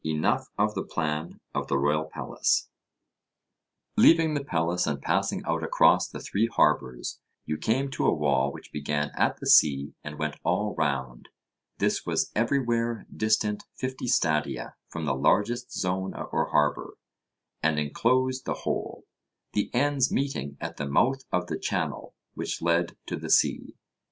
Enough of the plan of the royal palace. Leaving the palace and passing out across the three harbours, you came to a wall which began at the sea and went all round: this was everywhere distant fifty stadia from the largest zone or harbour, and enclosed the whole, the ends meeting at the mouth of the channel which led to the sea.